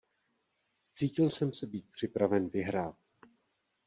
Cítil jsem se být připraven vyhrát.